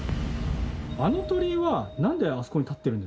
あの鳥居はなんであそこに立ってるんですか？